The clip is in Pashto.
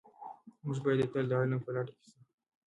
موږ باید تل د علم په لټه کې سو.